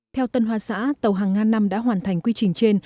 theo tân hoa xã tàu hàng ngàn năm đã hoàn thành quy trình trên